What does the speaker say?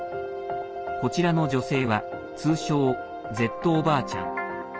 こちらの女性は通称、Ｚおばあちゃん。